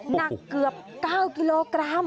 หนักเกือบ๙กิโลกรัม